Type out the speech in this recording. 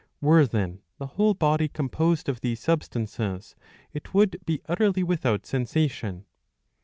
Were then the whole body composed of these substances, it would be utterly without sensation.